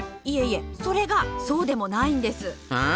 いえいえそれがそうでもないんです。